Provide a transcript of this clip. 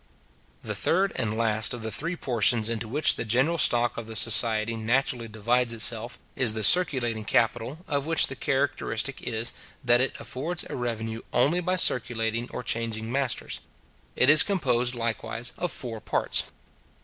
The third and last of the three portions into which the general stock of the society naturally divides itself, is the circulating capital, of which the characteristic is, that it affords a revenue only by circulating or changing masters. It is composed likewise of four parts.